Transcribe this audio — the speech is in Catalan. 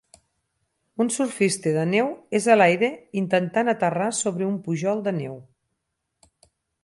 Un surfista de neu és a l'aire intentant aterrar sobre un pujol de neu.